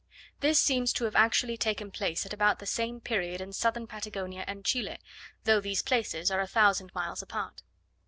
This seems to have actually taken place at about the same period in southern Patagonia and Chile, though these places are a thousand miles apart.